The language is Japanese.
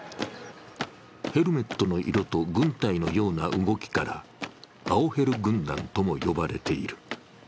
ヘルメットの色と軍隊のような動きから、青ヘル軍団とも呼ばれている。